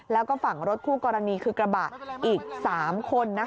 แล้วก็ฝั่งรถคู่กรณีคือกระบะอีก๓คน